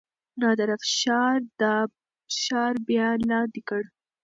نادر افشار دا ښار بیا لاندې کړ.